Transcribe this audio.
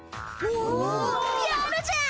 おやるじゃん！